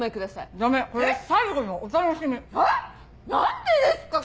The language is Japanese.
何でですか！